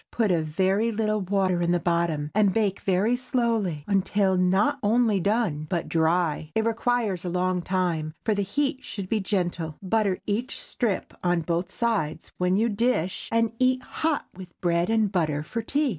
Put a very little water in the bottom, and bake very slowly until not only done, but dry. It requires a long time, for the heat should be gentle. Butter each strip on both sides when you dish, and eat hot with bread and butter for tea.